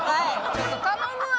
ちょっと頼むわ！